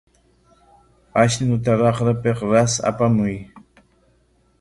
Ashnuta raqrapik ras apamuy.